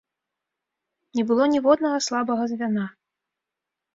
Не было ніводнага слабага звяна.